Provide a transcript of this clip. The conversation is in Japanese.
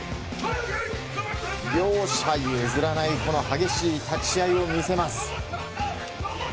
両者譲らない激しい立ち合いを見せます。